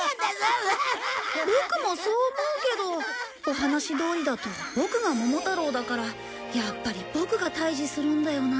ボクもそう思うけどお話どおりだとボクが桃太郎だからやっぱりボクが退治するんだよな。